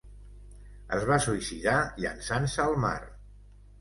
Es va suïcidar llençant-se al mar.